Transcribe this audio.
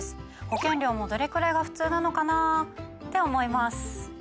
保険料もどれくらいが普通なのかな？って思います。